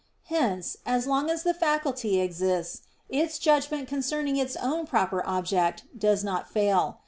Hence, as long as the faculty exists, its judgment concerning its own proper object does not fail.